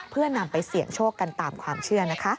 เพื่อนำไปเสี่ยงโชคกันตามความเชื่อนะคะ